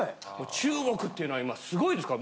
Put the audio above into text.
中国っていうのは今すごいですから。